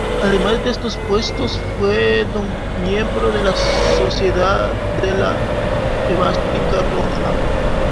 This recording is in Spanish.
Además de estos puestos, fue miembro de la Sociedad de la Esvástica Roja.